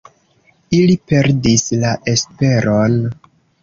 Ili perdis la esperon.